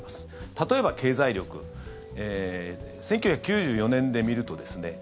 例えば経済力１９９４年で見るとですね